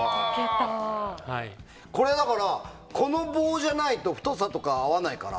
これだから、この棒じゃないと太さとか合わないから。